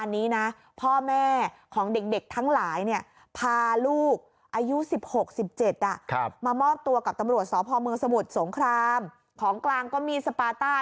ที่มีการของกลางก็มีสปาต้า